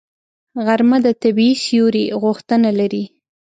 غرمه د طبیعي سیوري غوښتنه لري